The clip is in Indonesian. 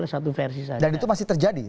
satu versi dan itu masih terjadi